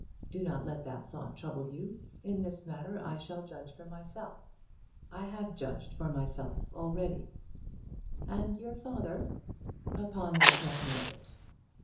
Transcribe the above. Do not let that thought trouble you. In this matter I shall judge for myself. I have judged for myself already." "And your father?" "Papa knows nothing of it."